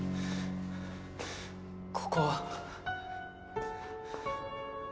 ここは？